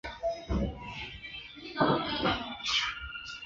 寿辰八月二十五。